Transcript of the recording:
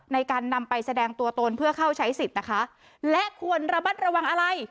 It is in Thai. ในการนำไปแสดงตัวตนเพื่อเข้าใช้สิทธิ์นะคะและควรระมัดระวังอะไร